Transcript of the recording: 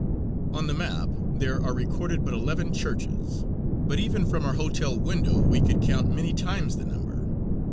On the map there are recorded but eleven churches, but even from our hotel window we could count many times the number.